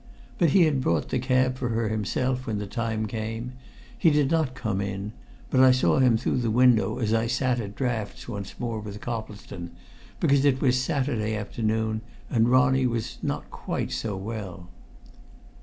But he brought the cab for her himself when the time came; he did not come in; but I saw him through the window as I sat at draughts once more with Coplestone, because it was a Saturday afternoon and Ronnie was not quite so well.